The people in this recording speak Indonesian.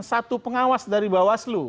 satu pengawas dari bawah selu